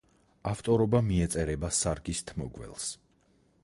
ავტორობა მიეწერება სარგის თმოგველს.